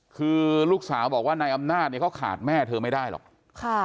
คือลูกสาวบอกว่านายอำนาจเนี่ยเขาขาดแม่เธอไม่ได้หรอกค่ะ